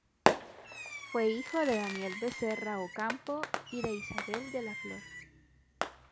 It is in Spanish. Fue hijo de Daniel Becerra Ocampo y de Isabel de la Flor.